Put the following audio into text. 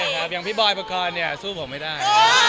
อย่างพี่บอยปกครณสู้ผมไม่ได้